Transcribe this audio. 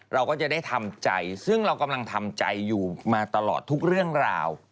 เราก็จะได้ทำใจซึ่งเรากำลังทำใจอยู่มาตลอดทุกเรื่องราว